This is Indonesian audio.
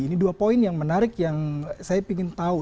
ada beberapa poin yang menarik yang saya ingin tahu